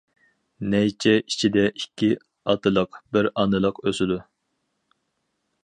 نەيچە ئىچىدە ئىككى ئاتىلىق، بىر ئانىلىق ئۆسىدۇ.